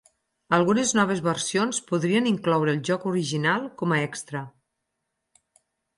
Algunes noves versions podrien incloure el joc original com a extra.